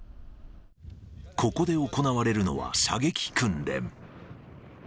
ここで行われるのは射撃訓練。